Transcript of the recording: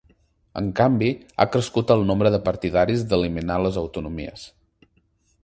En canvi, ha crescut el nombre de partidaris d’eliminar les autonomies.